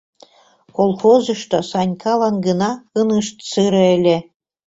— Колхозышто Санькалан гына ынышт сыре ыле.